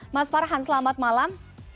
mas farhan selamat malam